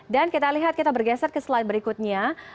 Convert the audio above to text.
dan kita lihat kita bergeser ke slide berikutnya